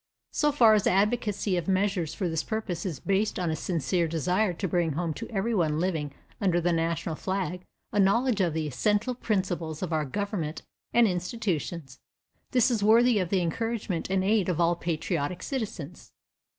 So far as the advocacy of measures for this purpose is based on a sincere desire to bring home to everyone living under the national flag a knowledge of the essential principles of our government and institutions, this is worthy of the encouragement and aid of all patriotic citizens.